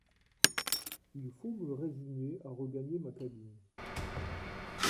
Il faut me résigner à regagner ma cabine.